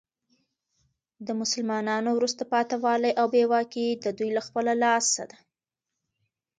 د مسلمانانو وروسته پاته والي او بي واکي د دوې له خپله لاسه ده.